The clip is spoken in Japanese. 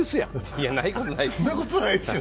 いや、ないことないですよ。